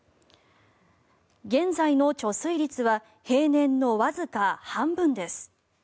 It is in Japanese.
現在の貯水率は平年のわずか半分です。